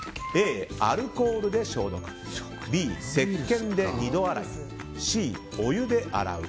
Ａ、アルコールで消毒Ｂ、せっけんで二度洗いＣ、お湯で洗う。